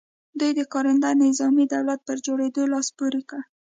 دوی د کارنده نظامي دولت پر جوړولو لاس پ ورې کړ.